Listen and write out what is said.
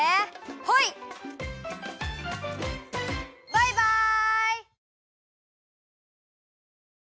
バイバイ！